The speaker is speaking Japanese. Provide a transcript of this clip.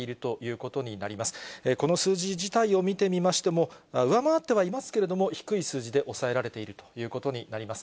この数字自体を見てみましても、上回ってはいますけれども、低い数字で抑えられているということになります。